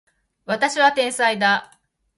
私は天才だ